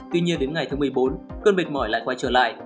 tuy nhiên đến ngày thứ một mươi bốn cơn mệt mỏi lại quay trở lại